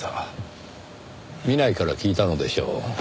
南井から聞いたのでしょう。